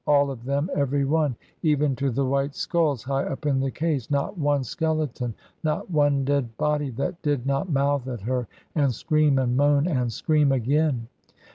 All of them every one even to the white skulls high up in the case; not one skeleton, not one dead body that did not mouth at her and scream and moan and scream again.